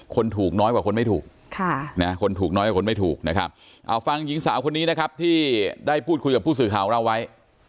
คนถูกน้อยกว่าคนไม่ถูกเอาฟังหญิงสาวคนนี้ที่ได้พูดคุยกับผู้สื่อข่าวเราไว้